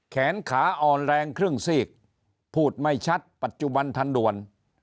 แขนขาอ่อนแรงครึ่งซีกพูดไม่ชัดปัจจุบันทันด่วน